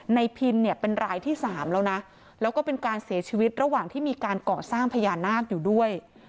พินเนี่ยเป็นรายที่สามแล้วนะแล้วก็เป็นการเสียชีวิตระหว่างที่มีการก่อสร้างพญานาคอยู่ด้วย